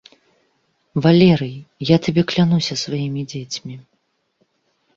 Валерый, я табе клянуся сваімі дзецьмі.